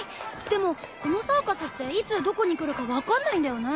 でもこのサーカスっていつどこに来るか分かんないんだよね？